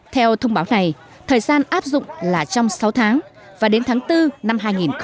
theo thông báo này thời gian áp dụng là trong sáu tháng và đến tháng bốn năm hai nghìn hai mươi